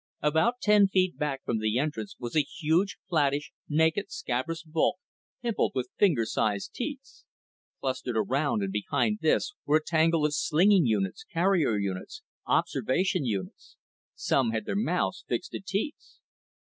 About ten feet back from the entrance was a huge, flattish, naked, scabrous bulk, pimpled with finger sized teats. Clustered around and behind this were a tangle of slinging units, carrier units, observation units. Some had their mouths fixed to teats.